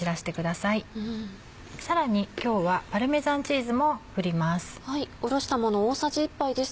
さらに今日はパルメザンチーズも振ります。